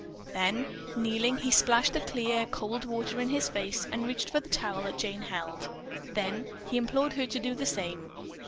Then kneeling, he splashed the clear, cold water in his face and reached for the towel that Jane held. Then he implored her to do the same.